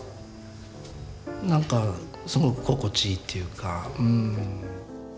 何かすごく心地いいっていうか。